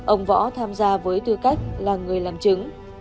ông võ tham gia với tư cách là người làm chứng